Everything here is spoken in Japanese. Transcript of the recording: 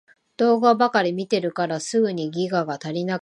動画ばかり見てるからすぐにギガが足りなくなる